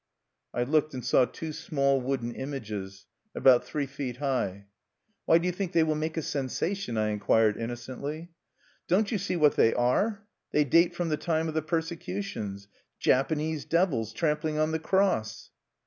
I looked, and saw two small wooden images, about three feet high. "Why do you think they will make a sensation?" I inquired innocently. "Don't you see what they are? They date from the time of the persecutions. _Japanese devils trampling on the Cross!